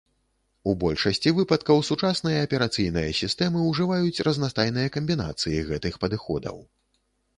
У большасці выпадкаў сучасныя аперацыйныя сістэмы ўжываюць разнастайныя камбінацыі гэтых падыходаў.